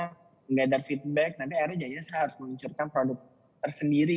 mengadar feedback nanti akhirnya saya harus meluncurkan produk tersendiri